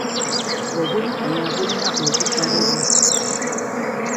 Obwenkanya bulina okusabibwa.